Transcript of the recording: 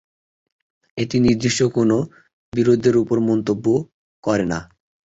এটি নির্দিষ্ট কোনো বিরোধের ওপর মন্তব্য করে না।